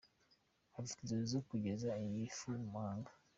Afite inzozi zo kugeza iyi fu mu mahanga.